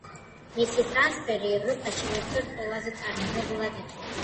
მისი ტრანსფერი ევროპაში ერთ–ერთ ყველაზე წარმატებულად ითვლება.